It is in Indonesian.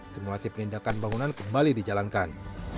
simulasi penindakan bangunan kembali dijalankan